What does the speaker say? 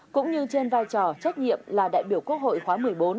cũng như trên vai trò trách nhiệm là đại biểu quốc hội khóa một mươi bốn